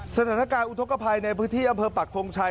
สถานการณ์อุทธกภัยในพื้นที่อำเภอปักทงชัย